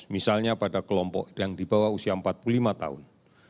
misalnya pada kelompok yang di bawah usia empat puluh lima tahun